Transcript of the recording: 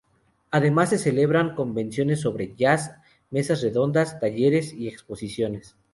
Además se celebran convenciones sobre jazz, mesas redondas, talleres y exposiciones.